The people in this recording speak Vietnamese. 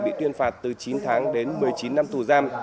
bị tuyên phạt từ chín tháng đến một mươi chín năm tù giam